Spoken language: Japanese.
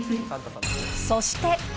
そして。